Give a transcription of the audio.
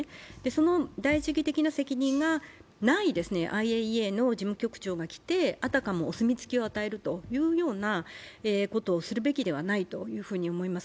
その第一義的な責任がないＩＡＥＡの事務局長が来てあたかもお墨付きを与えるようなことをするべきではないと思います。